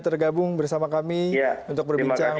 tergabung bersama kami untuk berbincang